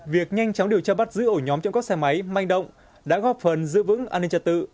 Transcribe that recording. việc nhanh chóng điều tra bắt giữ ổ nhóm trộm cắp xe máy manh động đã góp phần giữ vững an ninh trật tự